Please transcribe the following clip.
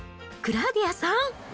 クラウディアさん？